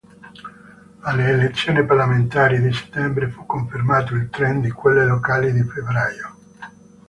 Alle elezioni parlamentari di settembre fu confermato il trend di quelle locali di febbraio.